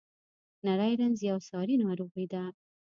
نری رنځ یوه ساري ناروغي ده.